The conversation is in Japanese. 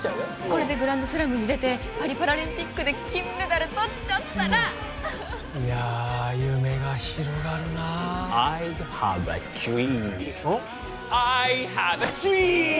これでグランドスラムに出てパリパラリンピックで金メダルとっちゃったらいや夢が広がるなあアイハブアドゥリームアイハブアドゥリーム！